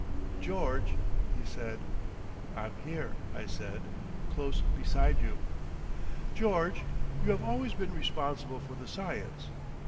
"George," he said. "I'm here," I said, "close beside you." "George. You have always been responsible for the science.